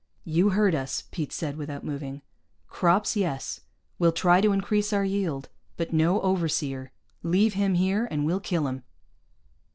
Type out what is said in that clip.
"You heard us," Pete said, without moving. "Crops, yes. We'll try to increase our yield. But no overseer. Leave him here and we'll kill him."